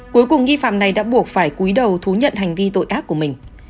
cuối cùng nghi phạm này đã buộc phải cuối đầu thú nhận hành vi tội ác của mình